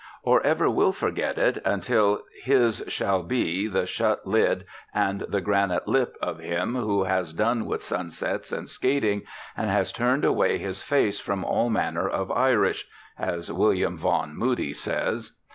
Or ever will forget it until his shall be "the shut lid and the granite lip of him who has done with sunsets and skating, and has turned away his face from all manner of Irish," as William Vaughn Moody says.